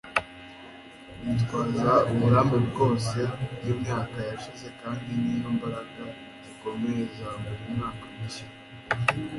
witwaza uburambe bwose bwimyaka yashize kandi niyo mbaraga zikomeye za buri mwaka mushya